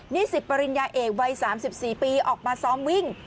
นิสิตปริญญาเอกวัย๓๔ปีออกมาซ้อมวิ่ง